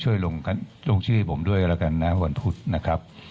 ลงชื่อให้ผมด้วยแล้วกันนะวันพุธนะครับ